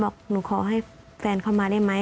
บอกหนูขอให้แฟนเขามาได้ไหม